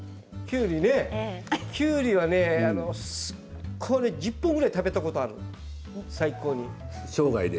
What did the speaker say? きゅうりはね１０本ぐらい食べたことはある最高に。